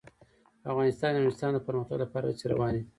په افغانستان کې د نورستان د پرمختګ لپاره هڅې روانې دي.